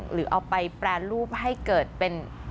หรือเอาไปแปรรูปให้เกิดเป็น